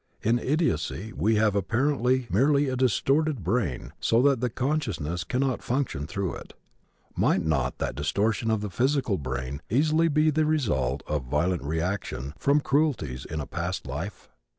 In idiocy we have apparently merely a distorted brain so that the consciousness cannot function through it. Might not that distortion of the physical brain easily be the result of violent reaction from cruelties in a past life?